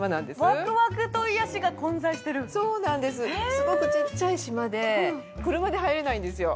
すごくちっちゃい島で、車で入れないんですよ。